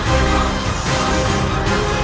kau tidak bisa menang